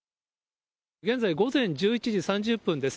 現在午前１１時３０分です。